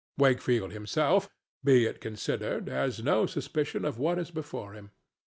Wakefield, himself, be it considered, has no suspicion of what is before him.